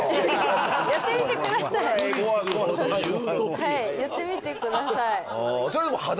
はいやってみてください。